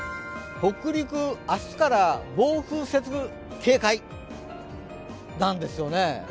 北陸、明日から暴風雪警戒なんですよね。